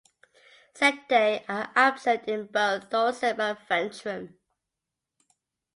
Setae are absent in both dorsum and ventrum.